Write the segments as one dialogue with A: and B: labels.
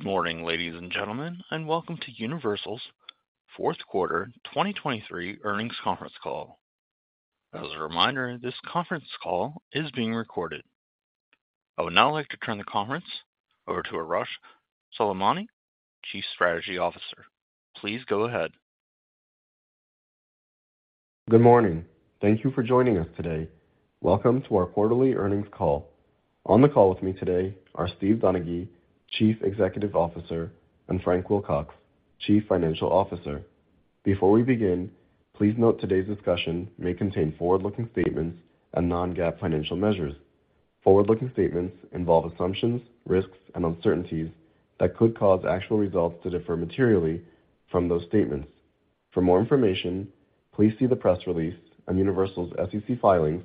A: Good morning, ladies and gentlemen, and welcome to Universal's fourth quarter 2023 earnings conference call. As a reminder, this conference call is being recorded. I would now like to turn the conference over to Arash Soleimani, Chief Strategy Officer. Please go ahead.
B: Good morning. Thank you for joining us today. Welcome to our quarterly earnings call. On the call with me today are Steve Donaghy, Chief Executive Officer, and Frank Wilcox, Chief Financial Officer. Before we begin, please note today's discussion may contain forward-looking statements and non-GAAP financial measures. Forward-looking statements involve assumptions, risks, and uncertainties that could cause actual results to differ materially from those statements. For more information, please see the press release and Universal's SEC filings,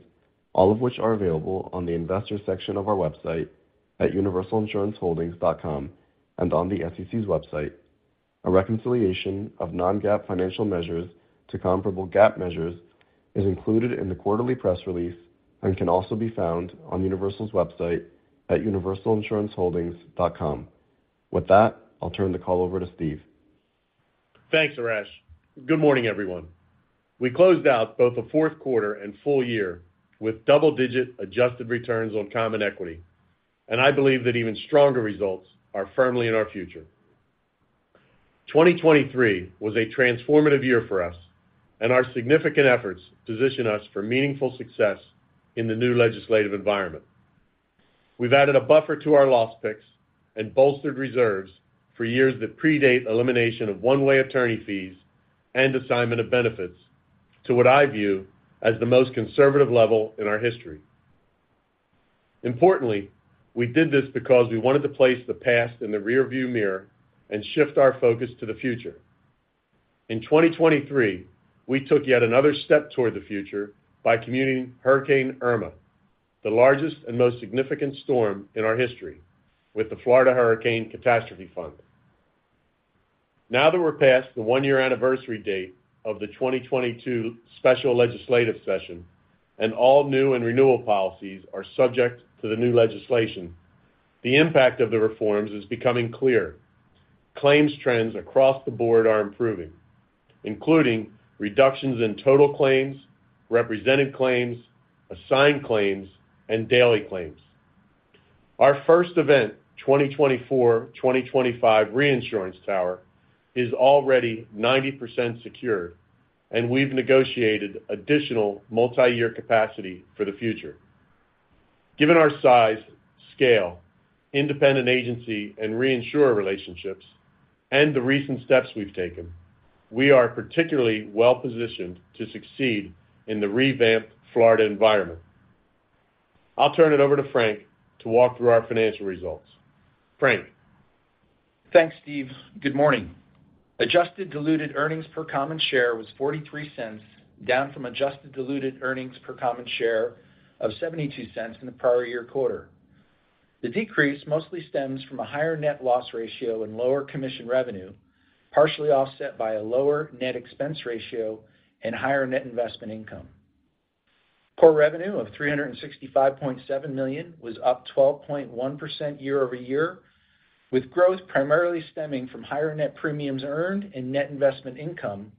B: all of which are available on the investor section of our website at universalinsuranceholdings.com and on the SEC's website. A reconciliation of non-GAAP financial measures to comparable GAAP measures is included in the quarterly press release and can also be found on Universal's website at universalinsuranceholdings.com. With that, I'll turn the call over to Steve.
C: Thanks, Arash. Good morning, everyone. We closed out both the fourth quarter and full year with double-digit adjusted returns on common equity, and I believe that even stronger results are firmly in our future. 2023 was a transformative year for us, and our significant efforts position us for meaningful success in the new legislative environment. We've added a buffer to our loss picks and bolstered reserves for years that predate elimination of one-way attorney fees and assignment of benefits to what I view as the most conservative level in our history. Importantly, we did this because we wanted to place the past in the rearview mirror and shift our focus to the future. In 2023, we took yet another step toward the future by commuting Hurricane Irma, the largest and most significant storm in our history, with the Florida Hurricane Catastrophe Fund. Now that we're past the one-year anniversary date of the 2022 special legislative session and all new and renewal policies are subject to the new legislation, the impact of the reforms is becoming clear. Claims trends across the board are improving, including reductions in total claims, represented claims, assigned claims, and daily claims. Our first event, 2024, 2025 reinsurance tower, is already 90% secured, and we've negotiated additional multi-year capacity for the future. Given our size, scale, independent agency and reinsurer relationships, and the recent steps we've taken, we are particularly well-positioned to succeed in the revamped Florida environment. I'll turn it over to Frank to walk through our financial results. Frank.
D: Thanks, Steve. Good morning. Adjusted Diluted Earnings Per Common Share was $0.43, down from Adjusted Diluted Earnings Per Common Share of $0.72 in the prior year quarter. The decrease mostly stems from a higher Net Loss Ratio and lower commission revenue, partially offset by a lower Net Expense Ratio and higher Net Investment Income. Core revenue of $365.7 million was up 12.1% year-over-year, with growth primarily stemming from higher Net Premiums Earned and Net Investment Income,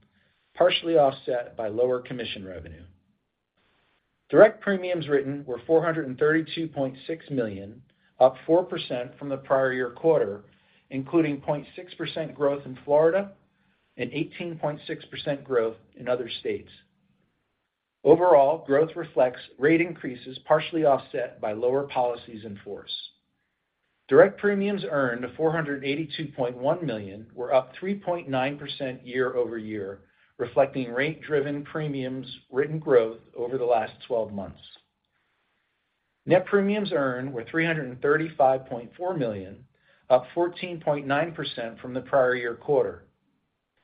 D: partially offset by lower commission revenue. Direct Premiums Written were $432.6 million, up 4% from the prior year quarter, including 0.6% growth in Florida and 18.6% growth in other states. Overall, growth reflects rate increases partially offset by lower policies in force. Direct Premiums Earned of $482.1 million were up 3.9% year-over-year, reflecting rate-driven premiums written growth over the last 12 months. Net premiums earned were $335.4 million, up 14.9% from the prior year quarter.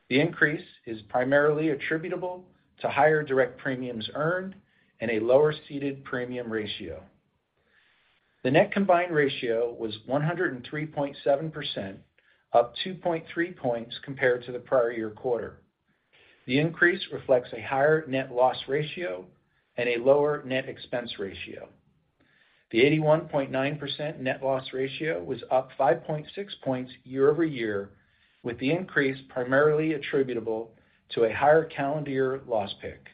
D: The increase is primarily attributable to higher direct premiums earned and a lower ceded premium ratio. The net combined ratio was 103.7%, up 2.3 points compared to the prior year quarter. The increase reflects a higher net loss ratio and a lower net expense ratio. The 81.9% net loss ratio was up 5.6 points year-over-year, with the increase primarily attributable to a higher calendar year loss pick.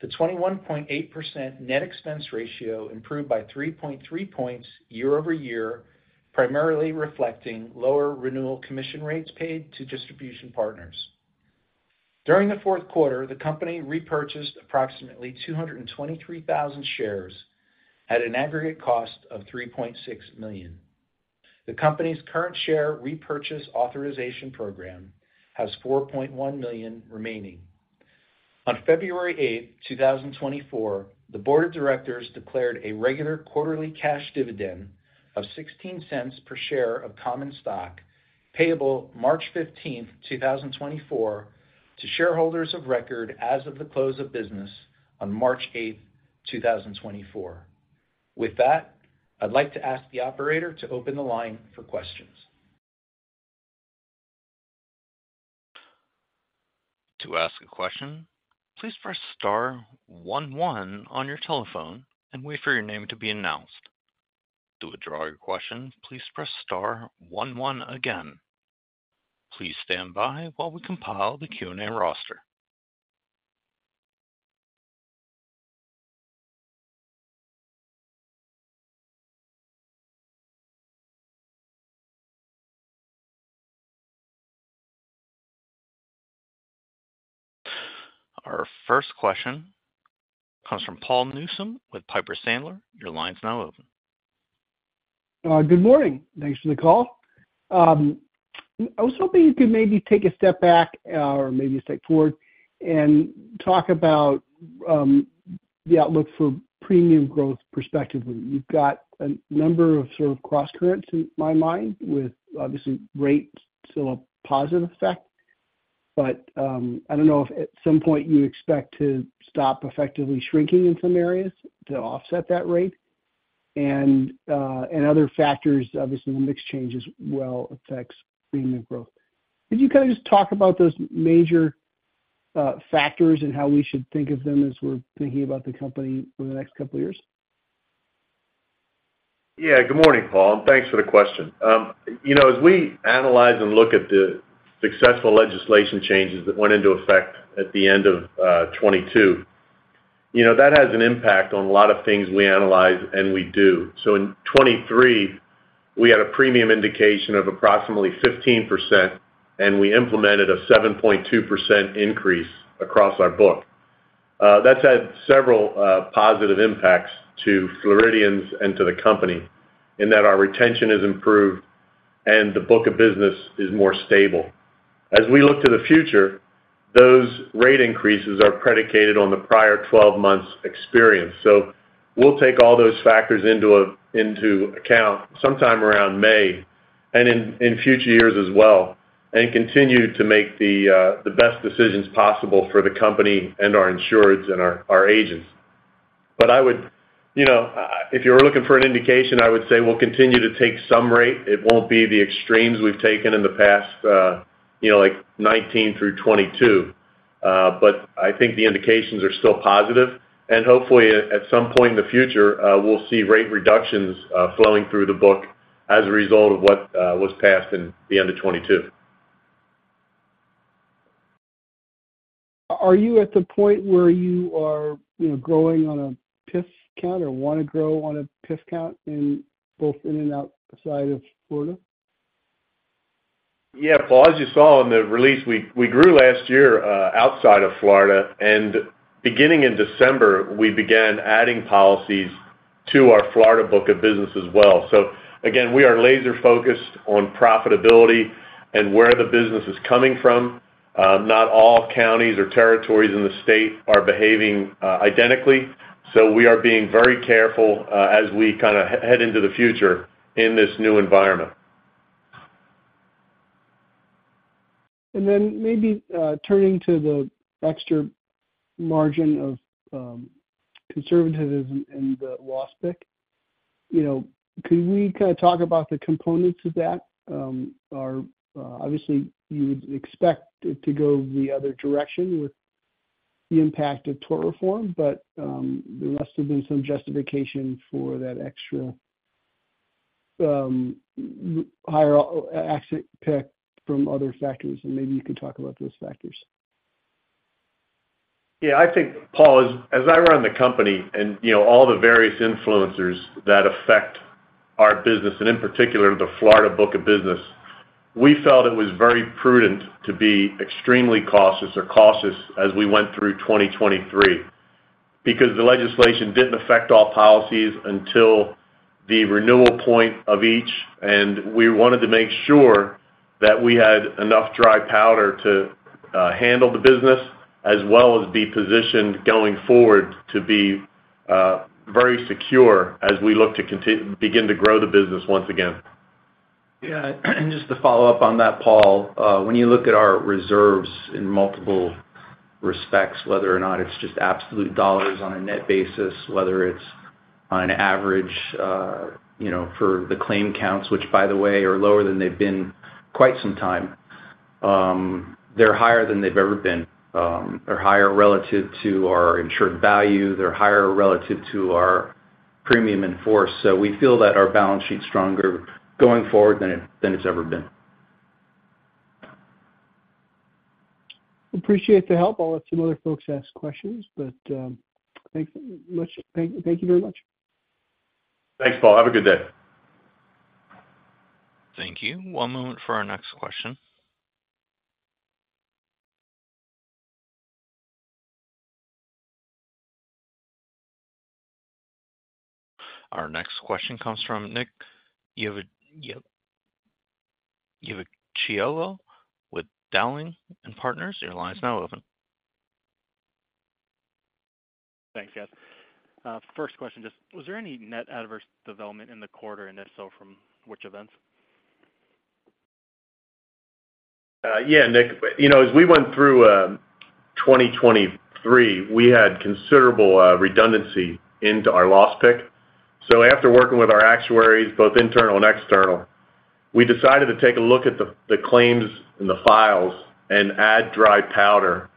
D: The 21.8% net expense ratio improved by 3.3 points year-over-year, primarily reflecting lower renewal commission rates paid to distribution partners. During the fourth quarter, the company repurchased approximately 223,000 shares at an aggregate cost of $3.6 million. The company's current share repurchase authorization program has 4.1 million remaining. On February 8th, 2024, the board of directors declared a regular quarterly cash dividend of $0.16 per share of common stock payable March 15th, 2024, to shareholders of record as of the close of business on March 8th, 2024. With that, I'd like to ask the operator to open the line for questions.
A: To ask a question, please press star one one on your telephone and wait for your name to be announced. To withdraw your question, please press star one one again. Please stand by while we compile the Q&A roster. Our first question comes from Paul Newsome with Piper Sandler. Your line's now open.
E: Good morning. Thanks for the call. I was hoping you could maybe take a step back or maybe a step forward and talk about the outlook for premium growth prospectively. You've got a number of sort of cross-currents in my mind with, obviously, rates still a positive effect, but I don't know if at some point you expect to stop effectively shrinking in some areas to offset that rate. And other factors, obviously, the mix changes well affects premium growth. Could you kind of just talk about those major factors and how we should think of them as we're thinking about the company over the next couple of years?
C: Yeah. Good morning, Paul, and thanks for the question. As we analyze and look at the successful legislation changes that went into effect at the end of 2022, that has an impact on a lot of things we analyze and we do. So in 2023, we had a premium indication of approximately 15%, and we implemented a 7.2% increase across our book. That's had several positive impacts to Floridians and to the company in that our retention has improved and the book of business is more stable. As we look to the future, those rate increases are predicated on the prior 12 months' experience. So we'll take all those factors into account sometime around May and in future years as well and continue to make the best decisions possible for the company and our insureds and our agents. If you were looking for an indication, I would say we'll continue to take some rate. It won't be the extremes we've taken in the past, like 2019 through 2022. I think the indications are still positive. Hopefully, at some point in the future, we'll see rate reductions flowing through the book as a result of what was passed in the end of 2022.
E: Are you at the point where you are growing on a PIF count or want to grow on a PIF count both in and outside of Florida?
C: Yeah, Paul, as you saw in the release, we grew last year outside of Florida. Beginning in December, we began adding policies to our Florida book of business as well. Again, we are laser-focused on profitability and where the business is coming from. Not all counties or territories in the state are behaving identically. We are being very careful as we kind of head into the future in this new environment.
E: And then maybe turning to the extra margin of conservatism in the loss pick, could we kind of talk about the components of that? Obviously, you would expect it to go the other direction with the impact of tort reform, but there must have been some justification for that extra higher loss pick from other factors. Maybe you could talk about those factors.
C: Yeah. I think, Paul, as I run the company and all the various influencers that affect our business, and in particular the Florida book of business, we felt it was very prudent to be extremely cautious or cautious as we went through 2023 because the legislation didn't affect all policies until the renewal point of each. We wanted to make sure that we had enough dry powder to handle the business as well as be positioned going forward to be very secure as we look to begin to grow the business once again.
D: Yeah. And just to follow up on that, Paul, when you look at our reserves in multiple respects, whether or not it's just absolute dollars on a net basis, whether it's on an average for the claim counts, which, by the way, are lower than they've been quite some time, they're higher than they've ever been. They're higher relative to our insured value. They're higher relative to our premium in force. So we feel that our balance sheet's stronger going forward than it's ever been.
E: Appreciate the help. I'll let some other folks ask questions, but thanks very much.
C: Thanks, Paul. Have a good day.
A: Thank you. One moment for our next question. Our next question comes from Nicolas Iacoviello with Dowling & Partners. Your line's now open.
F: Thanks, guys. First question just, was there any net adverse development in the quarter, and if so, from which events?
C: Yeah, Nick. As we went through 2023, we had considerable redundancy into our loss pick. So after working with our actuaries, both internal and external, we decided to take a look at the claims in the files and add dry powder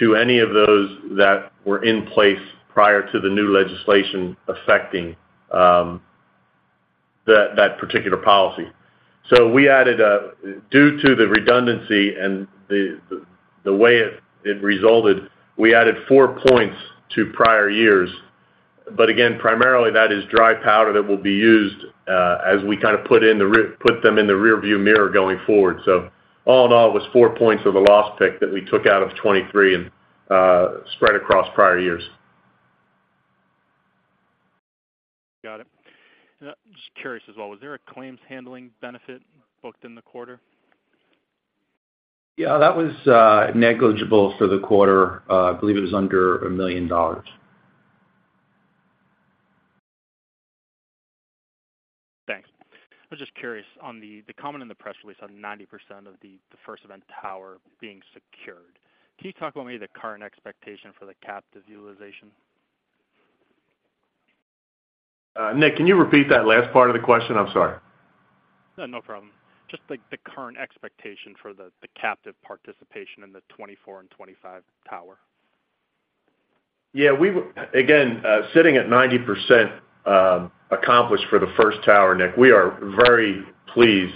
C: to any of those that were in place prior to the new legislation affecting that particular policy. So due to the redundancy and the way it resulted, we added 4 points to prior years. But again, primarily, that is dry powder that will be used as we kind of put them in the rearview mirror going forward. So all in all, it was 4 points of the loss pick that we took out of 2023 and spread across prior years.
F: Got it. Just curious as well, was there a claims handling benefit booked in the quarter?
D: Yeah, that was negligible for the quarter. I believe it was under $1 million.
F: Thanks. I'm just curious. The comment in the press release on 90% of the first event tower being secured, can you talk about maybe the current expectation for the captive utilization?
C: Nick, can you repeat that last part of the question? I'm sorry.
F: No problem. Just the current expectation for the captive participation in the 2024 and 2025 tower.
C: Yeah. Again, sitting at 90% accomplished for the first tower, Nick, we are very pleased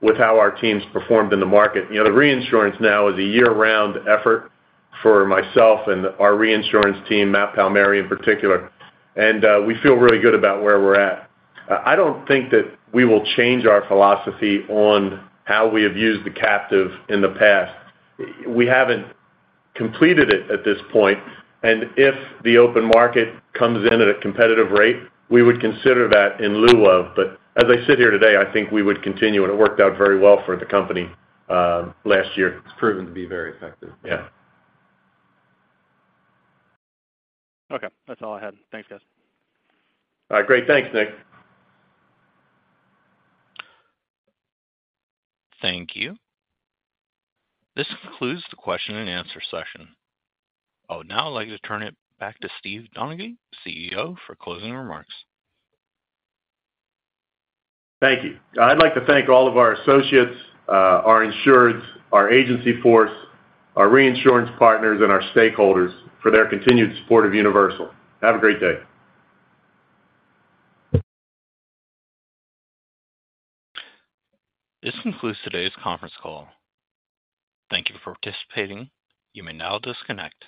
C: with how our teams performed in the market. The reinsurance now is a year-round effort for myself and our reinsurance team, Matt Palmieri in particular. We feel really good about where we're at. I don't think that we will change our philosophy on how we have used the captive in the past. We haven't completed it at this point. If the open market comes in at a competitive rate, we would consider that in lieu of. But as I sit here today, I think we would continue. It worked out very well for the company last year.
D: It's proven to be very effective.
C: Yeah.
F: Okay. That's all I had. Thanks, guys.
C: All right. Great. Thanks, Nick.
A: Thank you. This concludes the question and answer session. Oh, now I'd like to turn it back to Steve Donaghy, CEO, for closing remarks.
C: Thank you. I'd like to thank all of our associates, our insureds, our agency force, our reinsurance partners, and our stakeholders for their continued support of Universal. Have a great day.
A: This concludes today's conference call. Thank you for participating. You may now disconnect.